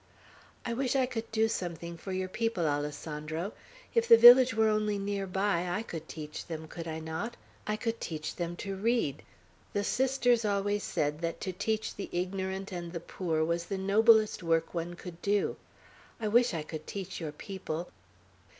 I wish I could do something for your people, Alessandro. If the village were only near by, I could teach them, could I not? I could teach them to read. The Sisters always said, that to teach the ignorant and the poor was the noblest work one could do. I wish I could teach your people.